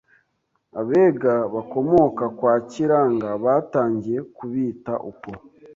Abega bakomoka kwa Kiranga batangiye kubita uko